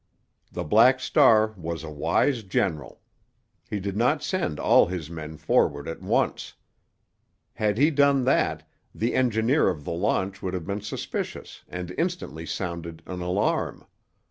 The Black Star was a wise general; he did not send all his men forward at once. Had he done that, the engineer of the launch would have been suspicious and instantly sounded an alarm.